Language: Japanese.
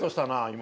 今。